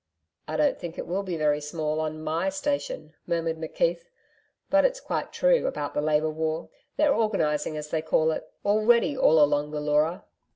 'I don't think it will be very small on MY station,' murmured McKeith. 'But it's quite true about the Labour War. They're organising, as they call it, already all along the Leura.'